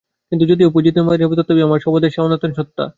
কিন্তু যদিও বুঝিতে পারি না, তথাপি আমরা সর্বদাই সেই শাশ্বত সনাতন সত্তা।